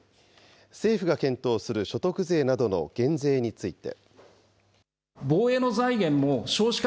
政府が検討する所得税などの減税について。